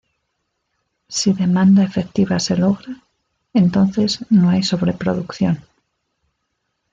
Si demanda efectiva se logra, entonces no hay sobreproducción.